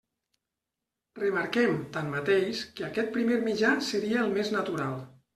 Remarquem, tanmateix, que aquest primer mitjà seria el més natural.